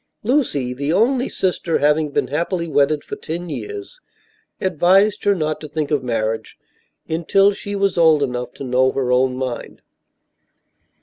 Lucy, the only sister, having been happily wedded for ten years, advised her not to think of marriage until she was old enough to know her own mind.